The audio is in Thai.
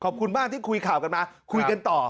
ขอบคุณมากที่คุยข่าวกันมาคุยกันต่อ